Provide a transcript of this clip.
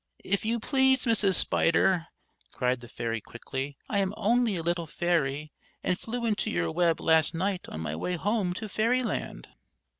"If you please, Mrs. Spider," cried the fairy quickly, "I am only a little fairy, and flew into your web last night on my way home to fairyland."